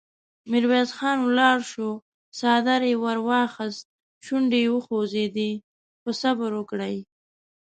ميرويس خان ولاړ شو، څادر يې ور واخيست، شونډې يې وخوځېدې: هو! صبر وکړئ!